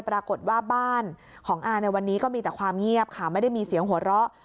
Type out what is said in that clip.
ปรากฏว่าบ้านของอาในวันนี้ก็มีแต่ความเงียบค่ะไม่ได้มีเสียงหัวเราะ